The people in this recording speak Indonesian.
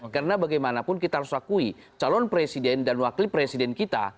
karena bagaimanapun kita harus akui calon presiden dan wakil presiden kita